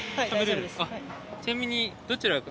ちなみに。